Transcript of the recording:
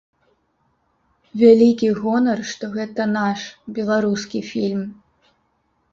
Вялікі гонар, што гэта наш, беларускі фільм.